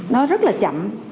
nó rất là chậm